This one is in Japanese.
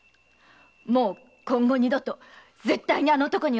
もう今後二度と絶対にあの男には会わないと。